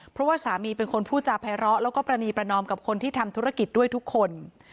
เพราะว่าสามีเป็นคนพูดจาภัยร้อแล้วก็ประณีประนอมกับคนที่ทำธุรกิจด้วยทุกคน